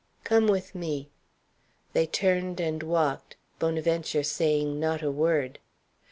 "Come with me." They turned and walked, Bonaventure saying not a word.